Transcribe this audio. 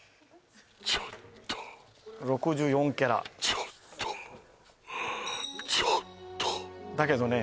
ちょっと６４カラットちょっとちょっとだけどね